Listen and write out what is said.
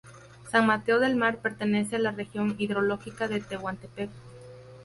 San Mateo del Mar pertenece a la región hidrológica de Tehuantepec.